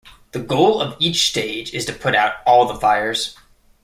The goal of each stage is to put out all the fires.